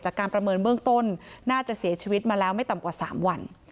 การประเมินเบื้องต้นน่าจะเสียชีวิตมาแล้วไม่ต่ำกว่า๓วัน